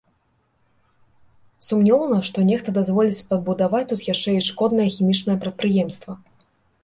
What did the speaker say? Сумнеўна, што нехта дазволіць пабудаваць тут яшчэ і шкоднае хімічнае прадпрыемства.